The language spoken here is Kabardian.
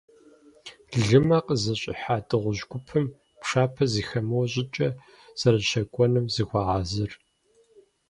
Лымэ къызыщӏихьа дыгъужь гупым, пшапэ зэхэмыуэ щӀыкӀэ, зэрыщэкӀуэнум зыхуагъэхьэзыр.